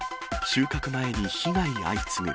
収穫前に被害相次ぐ。